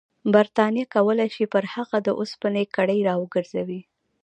برټانیه کولای شي پر هغه د اوسپنې کړۍ راوګرځوي.